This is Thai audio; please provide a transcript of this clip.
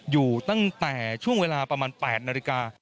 อยู่ตั้งแต่ช่วงเวลาประมาณ๘นาฬิกา